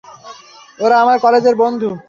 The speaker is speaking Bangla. ওরা আমার কলেজের বন্ধু!